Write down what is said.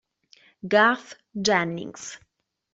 Garth Jennings